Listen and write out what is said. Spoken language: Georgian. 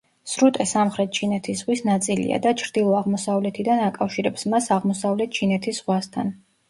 სრუტე სამხრეთ ჩინეთის ზღვის ნაწილია და ჩრდილო-აღმოსავლეთიდან აკავშირებს მას აღმოსავლეთ ჩინეთის ზღვასთან.